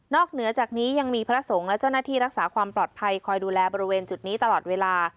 เหนือจากนี้ยังมีพระสงฆ์และเจ้าหน้าที่รักษาความปลอดภัยคอยดูแลบริเวณจุดนี้ตลอดเวลา